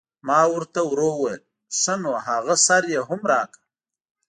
ما ور ته ورو وویل: ښه نو هغه سر یې هم راکړه.